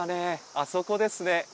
あそこですね。